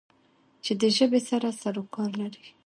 چې د ژبې سره سرو کار لری